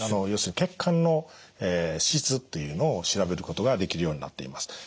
要するに血管の質っていうのを調べることができるようになっています。